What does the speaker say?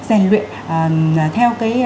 rèn luyện theo cái